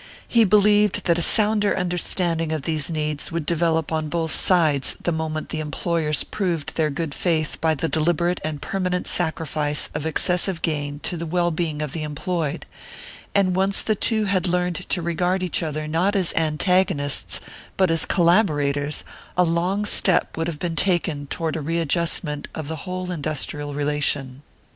He believed that a sounder understanding of these needs would develop on both sides the moment the employers proved their good faith by the deliberate and permanent sacrifice of excessive gain to the well being of the employed; and once the two had learned to regard each other not as antagonists but as collaborators, a long step would have been taken toward a readjustment of the whole industrial relation.